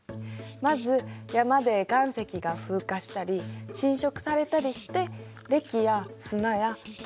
まず山で岩石が風化したり浸食されたりしてれきや砂や泥になる。